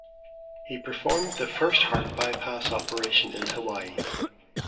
He performed the first heart bypass operation in Hawaii.